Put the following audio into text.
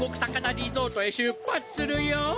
リゾートへ出発するよ。